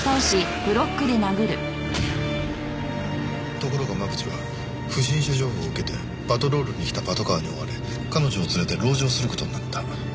ところが真渕は不審者情報を受けてパトロールに来たパトカーに追われ彼女を連れて籠城する事になった。